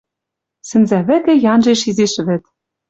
Сӹнзӓ вӹкӹ янжеш изиш вӹд.